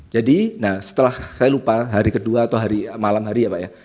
jadi setelah saya lupa hari kedua atau hari malam hari apa ya